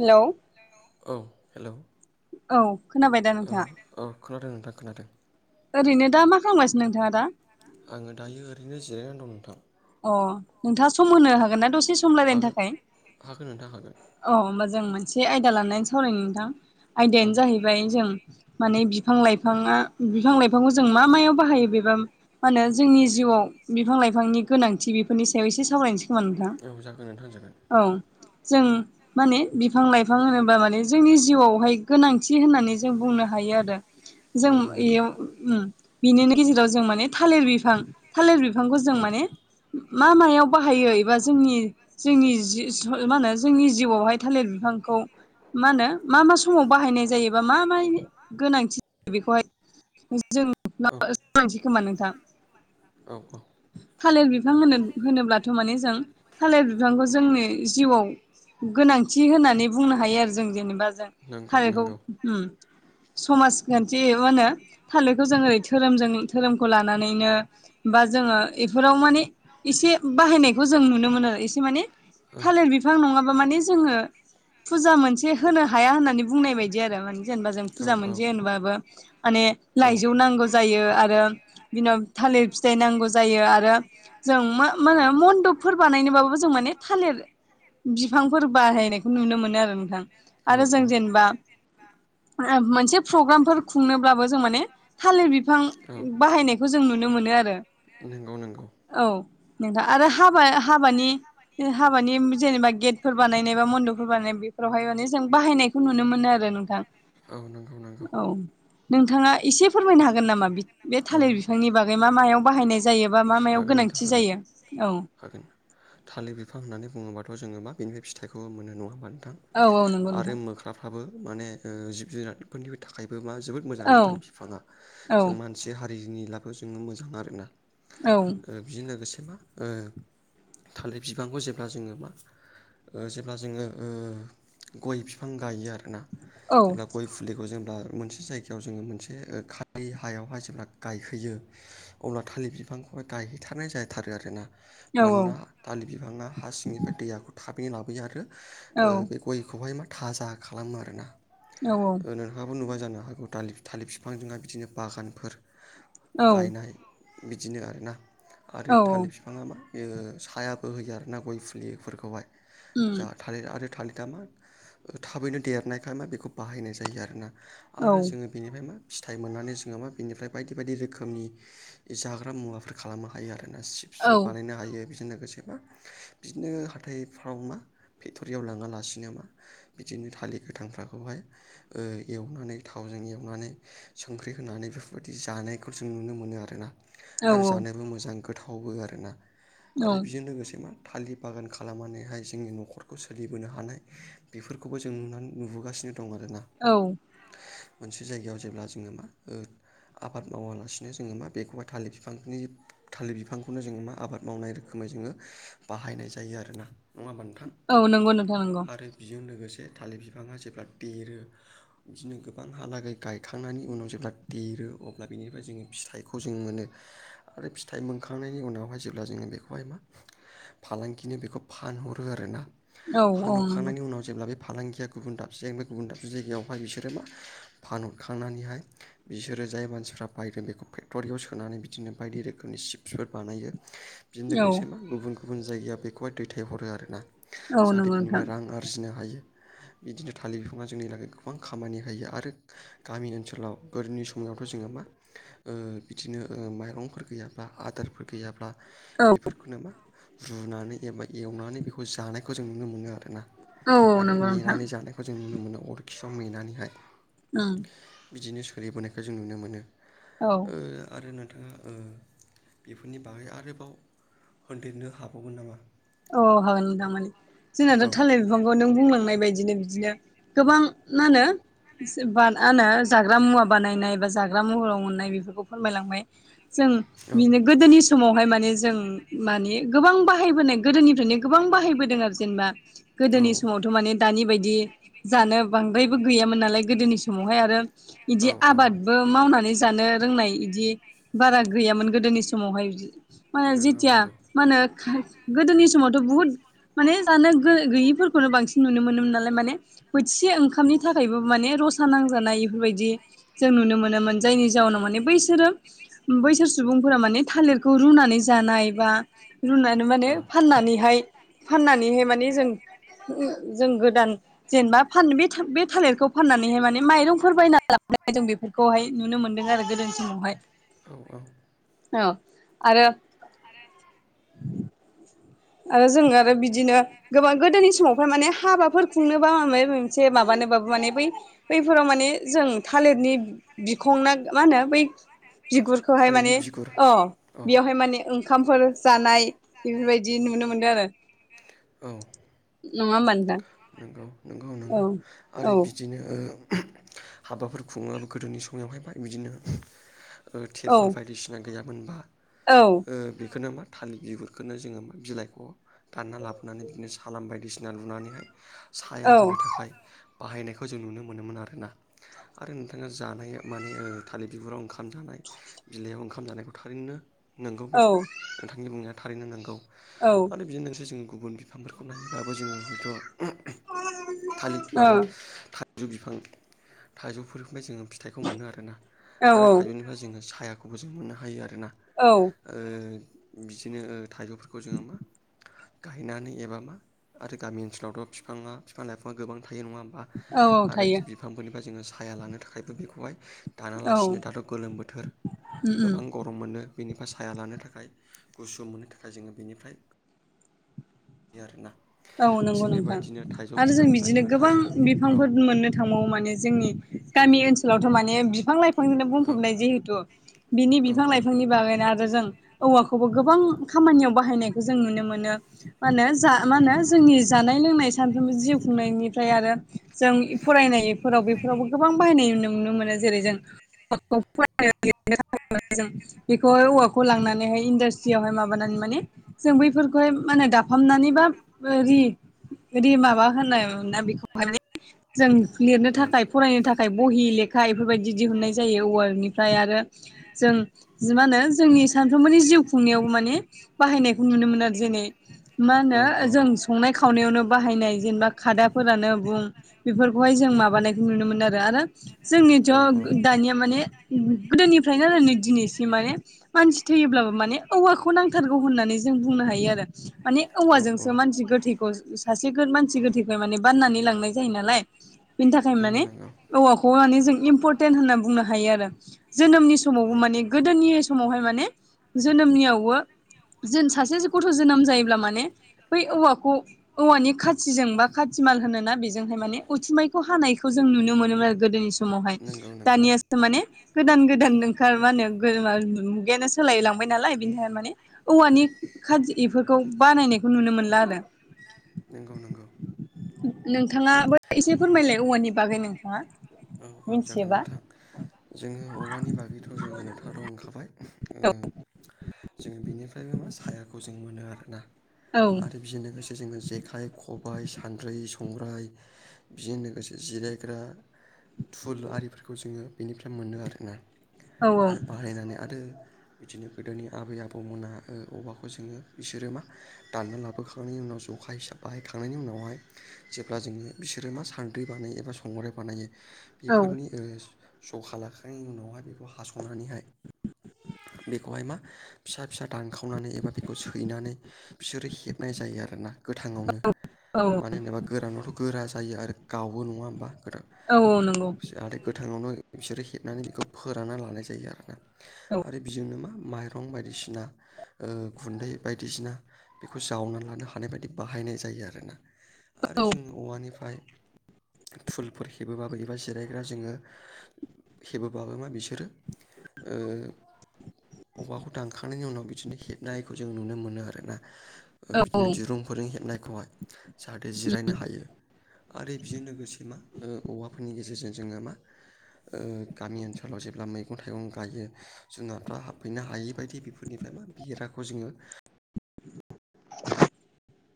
हेल' औ हेल' औ खोनाबाय दा नोंथाङा औ खोनादों नोंथां खोनादों ओरैनो दा मा खालामबायसै नोंथाङा दा आङो दायो ओरैनो जिरायनानै दं नोंथां अ नोंथाङा सम होनो हागोन ना दसे सम रायलायनो हागोन थाखाय हागोन नोंथां हागोन औ होमबा जों मोनसे आयदा लानानै सावरायनो नोंथां औ आयदायानो जाहैबाय जों माने बिफां लाइफाङा बिफां लाइफांखौ जों मा मायाव बाहायो बेबा मा होनो जोंनि जिउआव बिफां लाइफांनि गोनांथि बेफोरनि सायाव एसे सावरायनोसै समुमानखा औ जागोन नोंथां जागोन औ जों माने बिफां लाइफां होनोब्ला माने जोंनि जिउआवहाय गोनांथि होननानै जों बुंनो हायो आरो जों नंगौ नंगौ बेयाव बिनिनो गेजेराव जों माने थालिर बिफां थालिर बिफांखौ जों औ माने मा मायाव बाहायो एबा जोंनि जोंनि जि मा होनो जोंनि जिउआवहाय थालिर बिफांखौ मा होनो मा मा समाव बाहायनाय जायोबा मा मा गोनांथि जायो बेखौहाय जों औ ससै खोमा नोंथां औ औ थालिर बिफां होनो होनोब्लाथ' माने जों थालिर बिफांखौ जोंनि जिउआव गोनांथि होननानै बुंनो हायो आरो जों जेनेबा जों नंगौ थारैखौ नंगौ समाजखान्थि मा होनो थालिरखौ जों ओरै धोरोमजों धोरोमखौ लानानैनो बा जोङो बेफोराव माने एसे बाहायनायखौ जों नुनो मोनो आरो एसे माने थालिर बिफां नङाबा माने जोङो फुजा मोनसे होनो हाया होननानै बुंनाय बायदि आरो मान जेनेबा जों औ फुजा औ मोनसे होनोबाबो माने लाइजौ नांगौ जायो आरो बिनाव थालिर फिथाइ नांगौ ज जायो आरो जों मा होनो मन्दपफोर बानायनोबाबो जों माने थालिर बिफांफोर बाहायनायखौ नुनो मोनो आरो नोंथां आरो जों औ जेनेबा मोनसे प्रग्रामफोर खुंनोब्लाबो जों माने थालिर बिफां औ बाहायनायखौ जों नुनो मोनो आरो नंगौ नंगौ औ नोंथां आरो हाबा हाबानि हाबानि जेनेबा गेटफोर बानायनाय बा मन्द'फोर बानायनाय बेफोरावहाय माने जों बाहायनाय बेखौ नुनो मोनो आरो नोंथां औ नुनो मोनो आरो नोंथां। नंगौ नंगौ। औ नोंथाङा एसे फोरमायनो हागोन नामा बे थालिर बिफांनि बागै मा मायाव बाहायनाय जायोबा मा मायाव हागोन नोंथां गोनांथि हागोन जायो औ हागोन थालिर बिफां होननानै बुङोबाथ' जोङो मा बिनिफ्राय फिथाइखौ मोनो नङा होमा नोंथां औ औ नंगौ नोंथां आरो मोखां बिफाफ्राबो माने जिब जुनारफोरनि थाखायबो मा जोबोद औ मोजांथार बिफाङा औ जों मा होन मोनसे हारिनि लाफ जोङो मोजां आर ना औ ओ बिजों लोगोसे मा ओ थालिर बिबांखौ जेब्ला जोङो मा ओ जेब्ला जोङो ओ गय फिफां गायो आरोना औ जेब्ला गय फुलिखौ जों बार मोनसे जायगायाव जोङो मोनसे खारै हायावहाय जेब्ला गायहैयो अब्ला थालिर बिफांखौहाय गायहैथारनाय जाथारो आरोना। मानोना दाललि बिफाङा हा सिंनिफ्राय दैयाखौ थाबैनो लाबोयो आरो ओ बे गयखौहाय मा थाजा खालामो आरोना औ औ नोंहाबो नुबाय जानो हागौ दालि थालि फिफांजोंहाय बिदिनो बागानफोर औ गायनाय बिदिनो आरोना आरो औ थालिर फिफाङा मा ओ। सायाबो होयो आरोना गय फुलिफोरखौहाय उम जाहाथे थालिर आरो थालिदा मा थाबैनो देरनायखाय मा बेखौ बाहायनाय जायो आरो ना औ आरो जोङो बेनिफ्राय मा फिथाइ मोननानै जोङो मा बेनिफ्राय बायदि बायदि रोखोमनि जाग्रा मुवाफोर खालामनो हायो आरो ना औ सिपसफोर बानायनो हायो। जों लोगोसे बा बिदिनो हाथाइफ्राव मा फेक्ट'रियाव लाङालासिनो मा बिदिनो थालिर गोथांफ्राखौहाय ओ एवनानै थावजों एवनानै संख्रि होनानै बेफोरबायदि जानायखौ जों नुनो मोनो आरोना। आरो औ जानायबो मोजां गोथावबो आरोना औ आरो बेजों लोगोसे मा थालिर बागान खालामनानैहाय जोंनि न'खरखौ सोलिबोनो हानाय बेफोरखौबो जों नुनानै नुबोगासिनो दं आरोना। औ। मोनसे जायगायाव जेब्ला जोङो मा ओ आबाद मावालासिनो जोङो मा बेखौहाय थालिर बिफांनि थालिर बिफांखौनो जोङो मा आबाद मावनाय रोखोमै जोङो बाहायनाय जायो आरोना नङा। होमबा नोंथां? औ नंगौ नोंथां नंगौ। आरो बेजों लोगोसे थालिर बिफाङा जेब्ला देरो बिदिनो गोबांहालागै गायखांनायनि उनाव जेब्ला देरो अब्ला बिनिफ्राय जोङो फिथाइखौ जों मोनो। आरो फिथाइ मोनखांनायनि उनावहाय जेब्ला जोङो बेखौ खौहाय मा फालांगिनो बेखौ फानहरो आरोना। औ औ नंगौ फानहरखांनायनि उनाव जेब्ला बे फालांगिया गुबुन दाबसे गुबुन दाबसे जायगायावहाय बिसोरो मा फानहरखांनानैहाय बिसोरो जाय मानसिफ्रा बायदों बेखौ फेक्ट'रियाव सोनानै बिदिनो बायदि रोखोमनि सिप्सफोर बानायो। बिनो औ लोगोसे ना गुबुन गुबुन जायगाया बेखौहाय दैथायहरो आरोना औ जाहाथे नंगौ नोंथां बिनिफ्राय रां आर जिनो हायो। बिदिनो थालिर बिफाङा जोंनि लागै गोबां खामानि होयो आरो गामि ओनसोलाव गोदोनि समावथ' जोङो मा ओ बिदिनो ओ माइरंफोर गैयाब्ला आदारफोर गैयाब्ला औ बेफोरखौनो मा रुनानै एबा एवनानै बेखौ जानायखौ जों नुनो मोनो आरोना। औ औ आरो नंगौ नोंथां मेनानै जानायखौ जों नुनो मोनो अरखिआव मेनानैहाय ओम। बिदिनो सोलिबोनायखौ जों नुनो मोनो। औ ओ आरो नो थाङा ओ बेफोरनि बागै आरोबाव होन्देरनो हाबावगोन नामा? अ हागोन नोंथां माने जोंनाथ' औ थालिर बिफांखौ नों बुंलांनाय बायदिनो बिदिनो गोबां मा होनो सिब बाद आनो जाग्रा मुवा बानायनाय बा जाग्रा महराव मोननाय बेफोरखौ फोरमायलांबाय जों औ बिनो गोदोनि समावहाय माने जों माने गोबां बाहायबोनाय गोदोनिफ्रायनो गोबां बाहायबोदों आरो जेनेबा गोदोनि जेनेबा समावथ' माने दानि बायदि जानो बांद्रायबो गैयामोन नालाय गोदोनि समावहाय आरो इदि आरो आबादबो मावनानै जानो रोंनाय इदि बारा गैयामोन गोदोनि समावहाय बिदि माने नंगौ जेथिया मा होनो खा गोदोनि समावथ' बुहुद माने जानो गो गैयिफोरखौनो बांसिन नुनो मोनोमोन नालाय माने बोथिसे ओं खामनि थाखायबो माने र सा नांजानाय बेफोरबायदि जों नुनो मोनोमोन जायनि जाउनाव माने बैसोरो बैसोर सुबुंफोरा माने थालिरखौ रुनानै जानाय बुंनानै बा जानाय बा बुं मानो हाय फाननानैहाय माने जों जों गोदान जेनेबा फान बे था बे थालिरखौ फाननानैहाय माने माइरंफोर बायना लाबोनाय जों बेफोर खौहाय नुनो मोनदों आरो गोदोनि समावहाय। औ। ओ आरो [inaudible] आरो जोङो आरो बिदिनो गोबां गोदोनि समावहाय माने हाबाफोर खुंनोबा माबा मोनसे माबानोबाबो माने बै बैफोराव माने जों थालिरनि बिखंना मा होनो बै बिगुरखौहाय माने अ बेयावहाय माने ओंखामफोर जानाय बेफोरबायदि नुनो मोनदों आरो। औ। नङा होनबा नोंथां? नोंगौ नंगौ। औ। नंगौ आरो औ बिदिनो ओ हाबाफोर खुङो गोदोनि समावहाय बिदिनो ओ थिरफाल औ बायदिसिना गैयामोन बा ओ बेखौनो मा थालिर बिगुरखोनो जोङो बिलाइखौ दानना लाबोनानै बिदिनो सालाम बायदिसिना लुनानैहाय साया होनो औ थाखाय बाहायनायखौ जों नुनो मोनोमोन आरोना। आरो नोंथाङा जानाय माने ओ थालिर बिगुराव ओंखाम जानाय बिलाइयाव ओंखाम जानायखौ थारैनो नंगौ बे था औ नोंथांनि बुंनाया थारैनो नोंगौ औ आरो बिदिनोसै जों गुबुन खामफोरखौ नायोबाबो जोङो हयथ' [unintelligible] थालिर माबा थाइजौ बिफां थाइजौफोरखौहाय जोङो फिथाइखौ मोनो आरोना। औ आरो थाइजौनिफ्राय जोङो सायाखौबो जों मोननो हायो आरोना। औ। ओ बिदिनो थाइजौफोरखौ जोङो मा गायनानै एबा मा आरो गामि ओनसोलावथ' बिफाङा बिफां लाइफाङा गोबां थायो नङा होम बा औ आरो थायो जिब बिफांफोरनिफाय जोङो साया लानो थाखायबो बेखौहाय औ दानालासिनो दाथ' गोलोम बोथोर उम उम गोबां गरम मोनो बेनिफ्राय साया लानो थाखाय गुसु मोननो थाखाय जों बेनिफ्राय आरो ना। औ नंगौ नोंथां आरो जोंनि बिदिनो जोङो गोबां थाइजौ औ बिफांफोर मोननो थांबावो माने जोंनि औ गामि ओनसोलावथ' माने बिफां लाइ फांनिनो औ बुंफबनाय जिहेथु बिनि औ बिफां लाइफांनि बागैनो आरो जों औवाखौबो गोबां खामानियाव बाहायनायखौ जों नुनो मोनो मा होनो जा मा नंगौ होनो जोंनि जानाय लोंनाय सानफ्रोमबो जिउ खुंनायनिफ्राय आरो जों फरायनायफोराव बेफोरावबो गोबां बाहायनाय नु-नुनो मोनो। जेरै जों [unintelligible] बेखौहाय औवाखौ लांनानैहाय इन्डास्ट्रियावहाय माबानानै माने जों बैफोरखौहाय मा होनो दा फामनानै बा रि-रि माबा होननाय मोन ना बेखौहाय जों लिरनो औ थाखाय फरायनो थाखाय बहि लेखा इफोरबायदि दिहुननाय जायो औवानिफ्राय आरो जों मा होनो जोंनि सानफ्रोमबोनि जिउ खुंनायावबो माने बाहायनायखौ नुनो मोनो आरो जेनै मा होनो जों संनाय खावनायावनो बाहायनाय जेनेबा खादाफोरानो बुं बेफोरखौहाय जों माबानायखौ नुनो मोनो आरो आरो जोंनिथ' दानिया माने गोदोनिफ्रायनो आरो नै दिनैसिम माने मानसि थैयोब्लाबो माने औवाखौ नांथारगौ होननानै जों बुंनो हायो आरो माने औ औवाजों मानसि गोथैखौ सासे मानसि गोथैखौ माने बाननानै लांनाय जायो नालाय बेनि थाखाय नंगौ माने नंगौ औवाखौ माने जों इम्परटेन्ट होनना बुंनो हायो आरो। जोनोमनि औ समावबो माने गोदोनि समावहाय माने जोनोमनियावबो जों सासे गथ' जोनोम जायोब्ला माने बै औवाखौ औवानि खाथिजों बा खाथि माल होनोना बेजोंहाय माने उथुमायखौ हानायखौ जों नुनो मोनोमोन आरो गोदोनि स समावहाय नोंगौ दानियासो माने गोदान गोदान ओंखार मा होनो [unintelligible] मुगायानो सोलायलांबाय नालाय बिनि थाखाय माने औवानि खाजि बेफोरखौ बानायनायखौ नुनो मोनला आरो। नंगौ नंगौ नोंथाङाबो एसे फोरमायलाय औवानि बागै नोंथाङा? औ औ जागोन मिथियोबा नोंथां जोङो औवानि बागैथ' जोंङो नोंथाथ' होनखाबाय जोङो बिनिफ्रायबो मा सायाखौ जों मोनो आरोना औ आरो बेजों लोगोसे जोङो जेखाइ, खबायाइ, सान्द्रै, संग्राय बेजों लोगोसे जिरायग्रा टुल आरिफोरखौ जोङो बेनिफ्राय मोनो आरोना आरो बानायनानै आरो बिदिनो गोदोनि आबै आबौमोना ओ औवाखौ जोङो बिसोरो मा दानना लाबोखांनायनि उनाव जखा हिसाब बाहायखांनायनि उनावहाय जेब्ला जोङो बिसोरो मा सान्द्रि बानायो एबा संग्राय बानायो। औ बेफोरनि ओ जखा लाखांनायनि उनावहाय बेखौ हास'नानैहाय बेखौहाय मा फिसा फिसा दानखावनानै एबा बेखौ सैनानै बिसोरो हेबनाय जायो आरोना गोथांआवनो औ मानो होनोब्ला गोरानावथ' गोरा जायो आरो गावो नङा होमबा? औ नंगौ जाहाथे गोथांआवनो बिसोरो हेबनानै बेखौ फोरानना लानाय जायो आरोना औ आरो बिजोंनो मा माइरं बायदिसिना ओ गुन्दै बायदिसिना बेखौ जावनानै लानो हानाय बायदि बाहायनाय जायो आरोना। आरो औ जोंङो औवानिफ्राय फुलफोर हेबोबाबो एबा जिरायग्रा जोङो हेबोबाबो मा बिसोरो ओ औवाखौ दानखांनायनि उनाव बिदिनो हेबनाय हखौ जों नुनो मोनो आरोना। औ औ बिदिनो दिरुंफोरजों हेबनायखौहाय जाहाथे जिरायनो हायो। आरो बेजों लोगोसे मा औवाफोरनि गेजेरजों जोङो मा ओ गामि ओनसोलाव जेब्ला मैगं थाइगं गायो जुनारफ्रा हाबफैनो हायि बायदि बेफोरनिफ्राय मा होनो बिराखौ जोङो [inaudible]